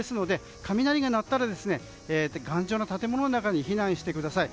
雷が鳴ったら頑丈な建物の中に避難してください。